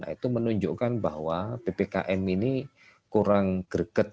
itu menunjukkan bahwa ppkm ini kurang greget